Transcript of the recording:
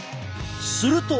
すると。